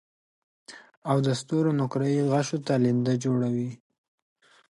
او د ستورو نقره يي غشو ته لینده جوړوي